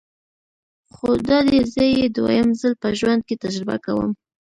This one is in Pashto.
خو دادی زه یې دویم ځل په ژوند کې تجربه کوم.